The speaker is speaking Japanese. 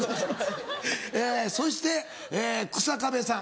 そして日下部さん。